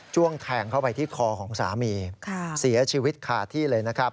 ้วงแทงเข้าไปที่คอของสามีเสียชีวิตคาที่เลยนะครับ